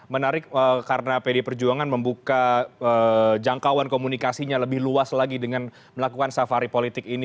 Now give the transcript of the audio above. menarik karena pd perjuangan membuka jangkauan komunikasinya lebih luas lagi dengan melakukan safari politik ini